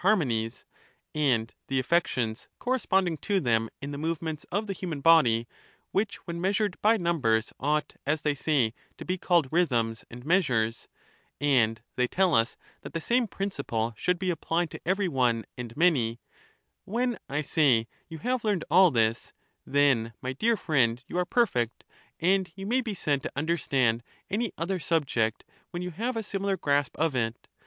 "'* harmonies; and the affections corresponding to them in the movements of the human body, which when measured by numbers ought, as they say, to be called rhythms and measures; and they tell us that the same principle should be applied to every one and many ;— when, I say, you have learned all this, then, my dear friend, you are perfect ; and you may be said to understand any other subject, when you have a similar grasp of it.